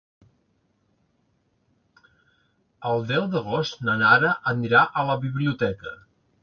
El deu d'agost na Nara anirà a la biblioteca.